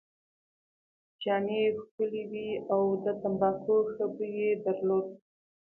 جامې يې ښکلې وې او د تمباکو ښه بوی يې درلود.